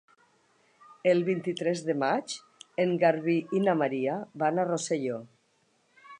El vint-i-tres de maig en Garbí i na Maria van a Rosselló.